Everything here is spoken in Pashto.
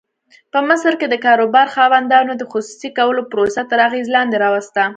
په مصر کې د کاروبار خاوندانو د خصوصي کولو پروسه تر اغېز لاندې راوسته.